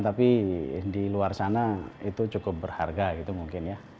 tapi di luar sana itu cukup berharga gitu mungkin ya